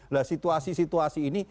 nah situasi situasi ini